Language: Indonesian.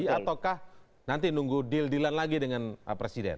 ataukah nanti nunggu deal deal lagi dengan presiden